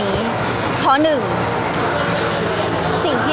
พี่ตอบได้แค่นี้จริงค่ะ